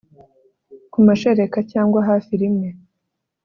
ku mashereka cyangwa hafi rimwe